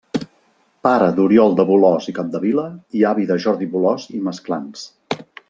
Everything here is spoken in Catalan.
Pare d'Oriol de Bolòs i Capdevila i avi de Jordi Bolòs i Masclans.